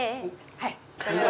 はい。